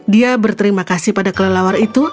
dia berterima kasih pada kelelawar itu